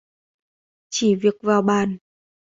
Chỉ việc vào bàn